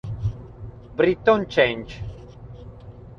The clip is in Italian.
Britton Chance